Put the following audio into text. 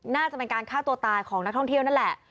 น่าจะเป็นการฆ่าตัวตายของนักท่องเที่ยวนั่นแหละ